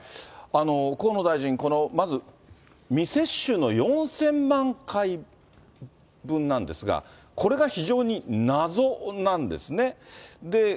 河野大臣、まず未接種の４０００万回分なんですが、これが非常に謎なんですね。